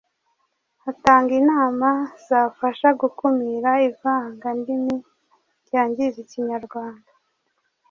atanga inama zafasha gukumira ivangandimi ryangiza Ikinyarwanda.